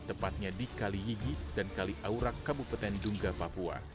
tepatnya di kali yigi dan kali aurak kabupaten dungga papua